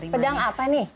pedang apa nih